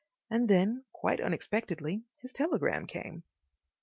And then, quite unexpectedly, his telegram came.